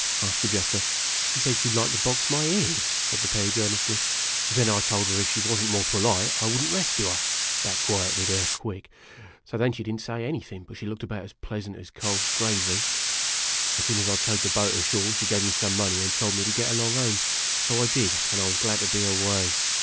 asked the Jester. " She said she 'd like to box my ears," said the Page, earnestly. "Then I told her if she was n't more polite I would n't rescue her. That quieted her, quick ! So then she did n't say anything, but she looked about as pleasant as cold gravy. As soon as I towed the boat ashore, she gave me some money and told me to get along home. So I did, and I was glad to be away.